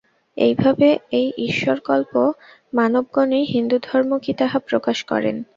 এইভাবে এই ঈশ্বরকল্প মানবগণই হিন্দুধর্ম কি, তাহা প্রকাশ করেন।